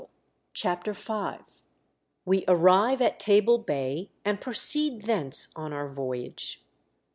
(28) CHAPTER V. WE ARRIVE AT TABLE BAY AND PROCEED THENCE ON OUR VOYAGE.